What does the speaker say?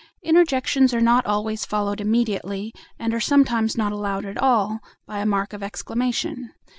Interjections are not always followed immediately, and are sometimes not allowed at all, by a mark of exclamation.